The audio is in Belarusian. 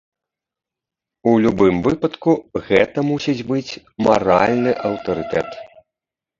У любым выпадку гэта мусіць быць маральны аўтарытэт.